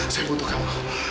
saya butuh kamu